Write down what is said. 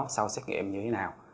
sau xét nghiệm như thế nào